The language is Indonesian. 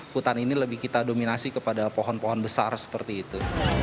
hutan ini lebih kita dominasi kepada pohon pohon besar seperti itu